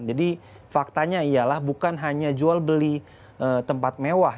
jadi faktanya ialah bukan hanya jual beli tempat mewah